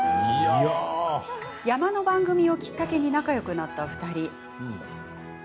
山の番組をきっかけに仲よくなった２人。